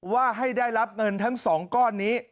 ว่าให้ได้รับเงินทั้ง๒ก้อนนี้